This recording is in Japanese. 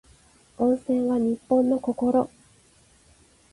温泉は日本の心